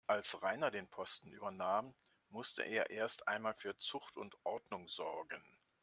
Als Rainer den Posten übernahm, musste er erst einmal für Zucht und Ordnung sorgen.